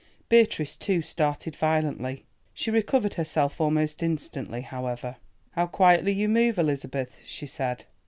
Beatrice too started violently; she recovered herself almost instantly, however. "How quietly you move, Elizabeth," she said.